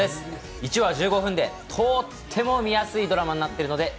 １話１５分でとっても見やすいドラマになっているので。